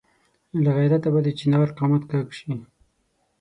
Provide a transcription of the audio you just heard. له غیرته به د چنار قامت کږ شي.